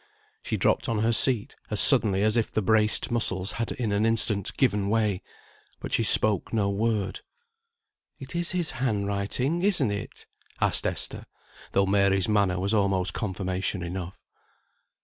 She dropped on her seat, as suddenly as if the braced muscles had in an instant given way. But she spoke no word. "It is his hand writing isn't it?" asked Esther, though Mary's manner was almost confirmation enough.